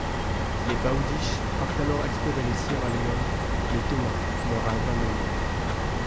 Les Bowdich partent alors explorer le Sierra Leone, mais Thomas meurt à Banhul.